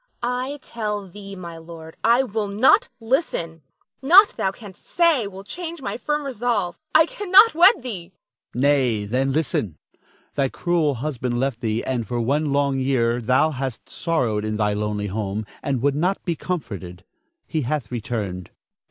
I tell thee, my lord, I will not listen, naught thou canst say will change my firm resolve. I cannot wed thee. Don Felix. Nay, then listen. Thy cruel husband left thee and for one long year thou hast sorrowed in thy lonely home, and would not be comforted. He hath returned.